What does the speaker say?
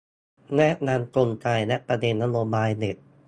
แนะนำกลไกและประเด็นนโยบายเน็ต